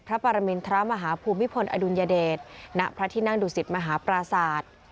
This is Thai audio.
พระปรมินทรมาฮภูมิพลอดุลยเดชณพระที่นั่งดุสิตมหาปราศาสตร์